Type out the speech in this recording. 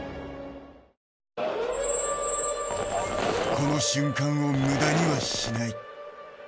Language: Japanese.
この瞬間を無駄にはしない。